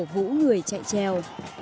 cổ vũ người chạy trèo